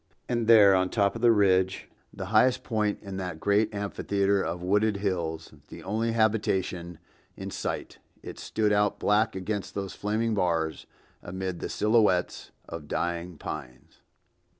And there on the top of the ridge, the highest point in that great amphitheater of wooded hills, the only habitation in sight, it stood out black against those flaming bars, amid the silhouettes of dying pines.